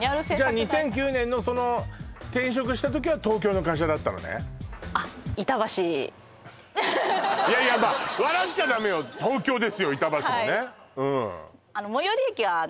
２００９年の転職した時は東京の会社だったのねいやいや笑っちゃダメよ東京ですよ